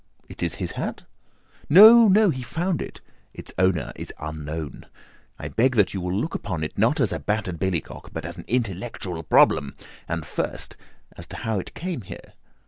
"It is his hat." "No, no, he found it. Its owner is unknown. I beg that you will look upon it not as a battered billycock but as an intellectual problem. And, first, as to how it came here.